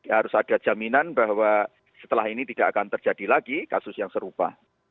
harus ada jaminan bahwa setelah ini tidak akan terjadi lagi kasus yang serupa